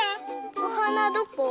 おはなどこ？